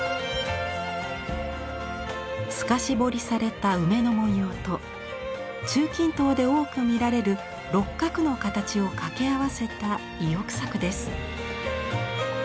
透かし彫りされた梅の文様と中近東で多く見られる六角の形をかけ合わせた意欲作です。